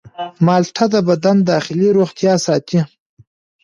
مالټه د بدن داخلي روغتیا ساتي.